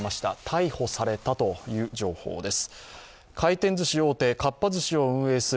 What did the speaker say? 逮捕されたという情報です。